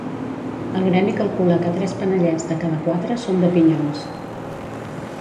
El gremi calcula que tres panellets de cada quatre són de pinyons.